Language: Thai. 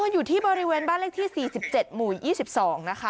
อยู่ที่บริเวณบ้านเลขที่๔๗หมู่๒๒นะคะ